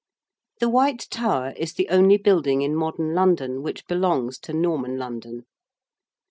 The White Tower is the only building in modern London which belongs to Norman London.